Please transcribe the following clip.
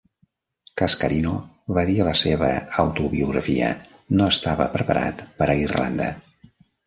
Cascarino va dir a la seva autobiografia: "No estava preparat per a Irlanda".